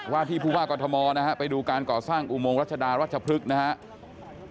วาดพี่ภูฮากตมไปดูการก่อสร้างอุโมงรัชดารัชพฤกษ์นะครับ